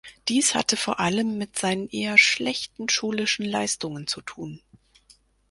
Dies hatte vor allem mit seinen eher schlechten schulischen Leistungen zu tun.